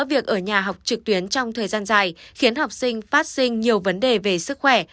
việc ở nhà học trực tuyến trong thời gian dài khiến học sinh phát sinh nhiều vấn đề về sức khỏe